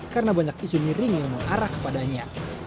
karena banyak isu miring yang mengarah kepadanya